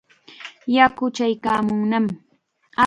Yaku chaykaamunnam.